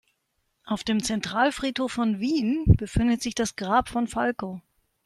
Auf dem Zentralfriedhof von Wien befindet sich das Grab von Falco.